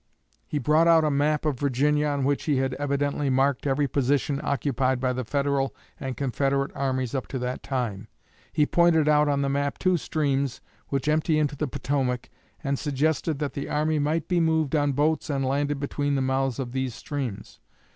He brought out a map of Virginia on which he had evidently marked every position occupied by the Federal and Confederate armies up to that time. He pointed out on the map two streams which empty into the Potomac, and suggested that the army might be moved on boats and landed between the mouths of these streams.